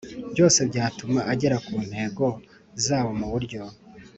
byose byatuma ugera ku ntego zawo mu buryo